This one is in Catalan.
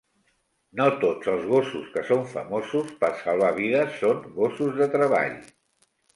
No tots els gossos que són famosos per salvar vides són gossos de treball.